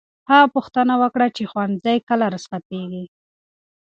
هغه پوښتنه وکړه چې ښوونځی کله رخصتېږي.